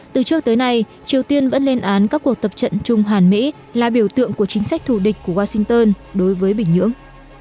từ trước tới nay triều tiên vẫn lên án các cuộc tập trận chung hàn mỹ là biểu tượng của chính sách thù địch của washington đối với bình nhưỡng